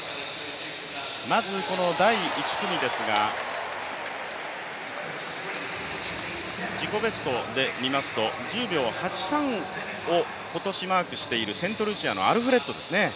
まずこの第１組ですが、自己ベストで見ますと１０秒８３を今年マークしている、セントルシアのアルフレッドですね。